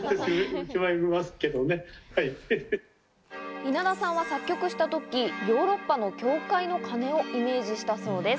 稲田さんは作曲した時、ヨーロッパの教会の鐘をイメージしたそうです。